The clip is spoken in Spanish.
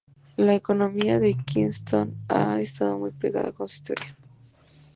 La economía de Queenstown ha estado muy pegada con su historia.